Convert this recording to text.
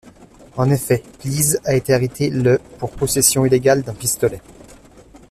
En effet, Plies a été arrêté le pour possession illégale d’un pistolet.